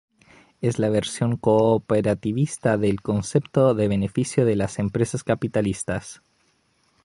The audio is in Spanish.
Es la versión cooperativista del concepto de beneficio de las empresas capitalistas.